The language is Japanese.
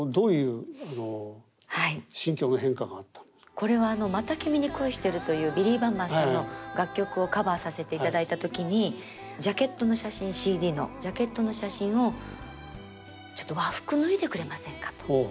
これは「また君に恋してる」というビリー・バンバンさんの楽曲をカバーさせていただいた時にジャケットの写真ＣＤのジャケットの写真を「ちょっと和服脱いでくれませんか？」と。